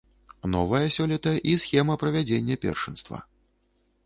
Новая сёлета і схема правядзення першынства.